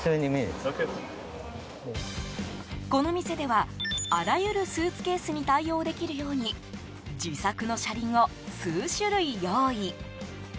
この店ではあらゆるスーツケースに対応できるように自作の車輪を数種類用意。